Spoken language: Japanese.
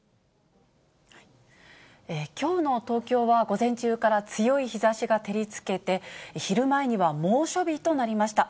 きょうの東京は、午前中から強い日ざしが照りつけて、昼前には猛暑日となりました。